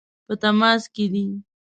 په تماس کې دي.